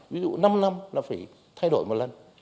ví dụ năm năm là phải thay đổi một lần